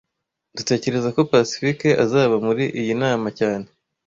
Dutekereza ko Pacifique azaba muri iyi nama cyane